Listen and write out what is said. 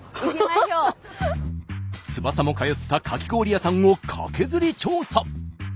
翼も通ったかき氷屋さんをカケズリ調査。